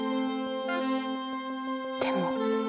でも。